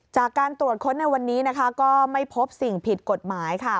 จากการตรวจค้นในวันนี้นะคะก็ไม่พบสิ่งผิดกฎหมายค่ะ